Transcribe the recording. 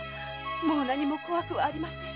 もう何も怖くはありません。